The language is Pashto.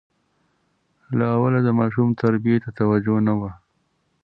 له اوله د ماشوم تربیې ته توجه نه وه.